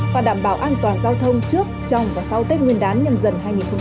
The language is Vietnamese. và đảm bảo an toàn giao thông trước trong và sau tết nguyên đán nhâm dần hai nghìn hai mươi bốn